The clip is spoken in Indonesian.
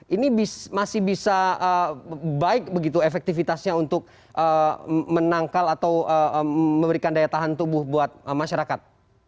ini masih bisa baik begitu efektivitasnya untuk menangkal atau memberikan daya tahan tubuh buat masyarakat